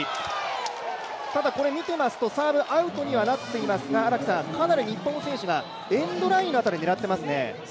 見てますと、サーブ、アウトにはなってますがかなり日本の選手がエンドラインの辺りを狙っていますね。